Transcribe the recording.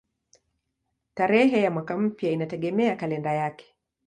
Tarehe ya mwaka mpya inategemea kalenda yake.